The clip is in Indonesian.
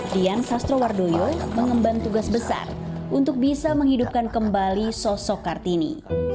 dian sastrowardoyo mengemban tugas besar untuk bisa menghidupkan kembali sosok kartini